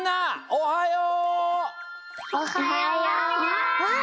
おはよう！